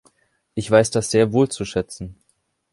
Ich weiß das sehr wohl zu schätzen.